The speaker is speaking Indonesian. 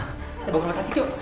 kita bangun sama santi yuk